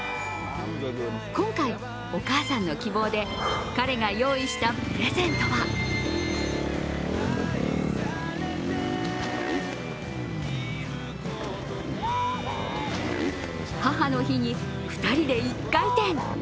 今回、お母さんの希望で彼が用意したプレゼントは母の日に２人で１回転。